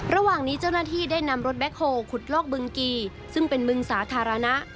ระหว่างนี้เจ้าหน้าที่ได้นำรถแบ็คโฮลขุดลอกบึงกีซึ่งเป็นบึงสาธารณะ